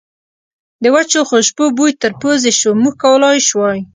د وچو خوشبو بوی تر پوزې شو، موږ کولای شوای.